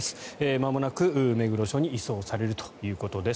まもなく目黒署に移送されるということです。